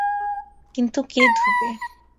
কিন্তু কে ধুবে?